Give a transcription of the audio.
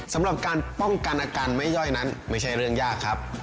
สำหรับการป้องกันอาการไม่ย่อยนั้นไม่ใช่เรื่องยากครับ